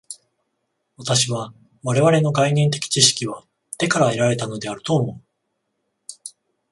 私は我々の概念的知識は手から得られたのであると思う。